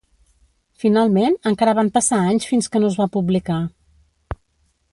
Finalment, encara van passar anys fins que no es va publicar.